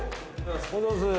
おはようございます。